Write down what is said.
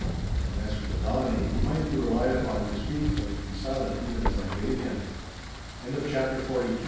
And as for the Dominie he might be relied upon to speak or to be silent even as I bade him. *CHAPTER XL